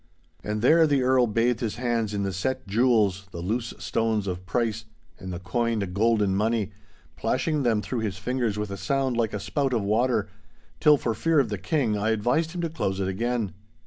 And there the Earl bathed his hands in the set jewels, the loose stones of price, and the coined, golden money, plashing them through his fingers with a sound like a spout of water, till for fear of the King, I advised him to close it again.